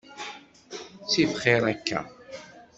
Ttif xir akka.